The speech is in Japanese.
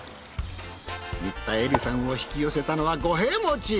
新田恵利さんを引き寄せたのは五平餅。